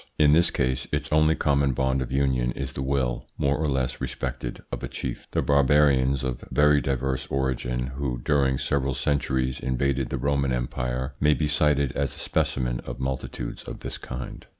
In this case its only common bond of union is the will, more or less respected of a chief. The barbarians of very diverse origin who during several centuries invaded the Roman Empire, may be cited as a specimen of multitudes of this kind.